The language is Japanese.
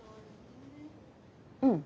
うん。